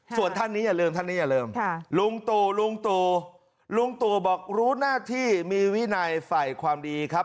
ส่วนท่านนี้อย่าลืมท่านนี้อย่าลืมลุงตู่ลุงตู่ลุงตู่บอกรู้หน้าที่มีวินัยฝ่ายความดีครับ